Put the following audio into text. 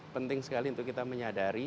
penting sekali untuk kita menyadari